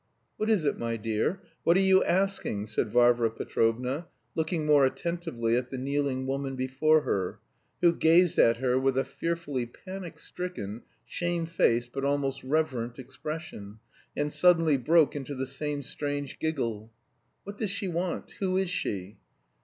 "What is it my dear? What are you asking?" said Varvara Petrovna, looking more attentively at the kneeling woman before her, who gazed at her with a fearfully panic stricken, shame faced, but almost reverent expression, and suddenly broke into the same strange giggle. "What does she want? Who is she?"